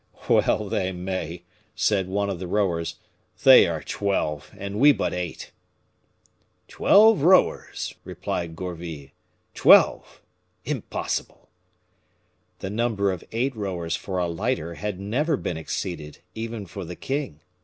"Well they may," said one of the rowers, "they are twelve, and we but eight." "Twelve rowers!" replied Gourville, "twelve! impossible." The number of eight rowers for a lighter had never been exceeded, even for the king.